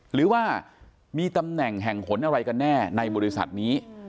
หรือว่ามีตำแหน่งแห่งหนอะไรกันแน่ในบริษัทนี้